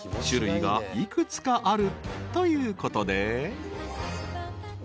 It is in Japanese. ［種類が幾つかあるということで］